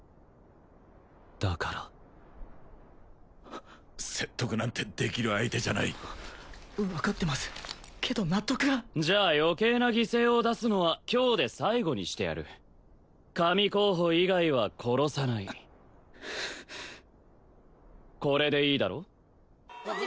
だから説得なんてできる相手じゃない分かってますけど納得がじゃあ余計な犠牲を出すのは今日で最後にしてやる神候補以外は殺さないこれでいいだろ？